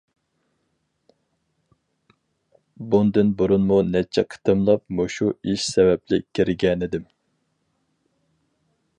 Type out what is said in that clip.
بۇندىن بۇرۇنمۇ نەچچە قېتىملاپ مۇشۇ ئىش سەۋەبلىك كىرگەنىدىم.